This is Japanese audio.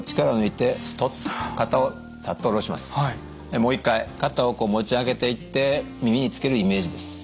もう一回肩をこう持ち上げていって耳につけるイメージです。